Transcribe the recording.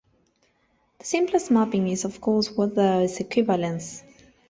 The simplest mapping is of course where there is equivalence.